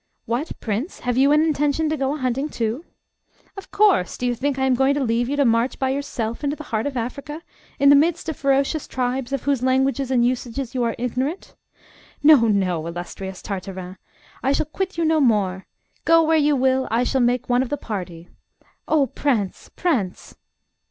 "What, prince! have you an intention to go a hunting, too?" "Of course! Do you think I am going to leave you to march by yourself into the heart of Africa, in the midst of ferocious tribes of whose languages and usages you are ignorant! No, no, illustrious Tartarin, I shall quit you no more. Go where you will, I shall make one of the party." "O Prince! prince!"